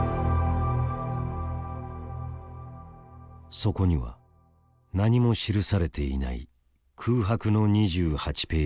そこには何も記されていない「空白の２８ページ」があった。